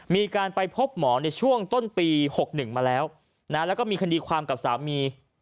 มีการไปพบหมอในช่วงต้นปี๖๑มาแล้วแล้วก็มีคดีความกับสามี